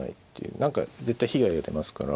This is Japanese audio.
何か絶対被害が出ますから。